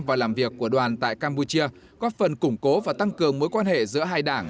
và làm việc của đoàn tại campuchia góp phần củng cố và tăng cường mối quan hệ giữa hai đảng